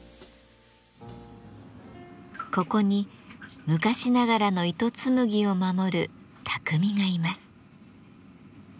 ここに昔ながらの糸紡ぎを守る匠がいます。